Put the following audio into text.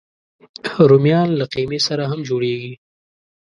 رومیان له قیمې سره هم جوړېږي